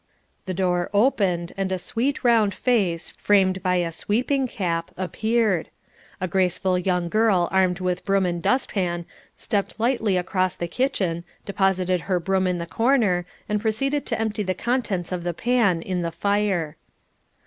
The door opened and a sweet round face, framed by a sweeping cap, appeared. A graceful young girl armed with broom and dustpan stepped lightly across the kitchen, deposited her broom in the corner, and proceeded to empty the contents of the pan in the fire.